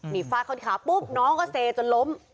นี่ฟาดเข้าที่ขาปุ๊บน้องก็เซจนล้ม